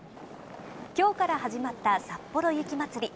きょうから始まった、さっぽろ雪まつり。